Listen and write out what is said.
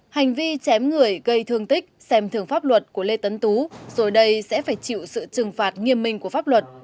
hành vi chém người gây thương tích xem thường pháp luật của lê tấn tú rồi đây sẽ phải chịu sự trừng phạt nghiêm minh của pháp luật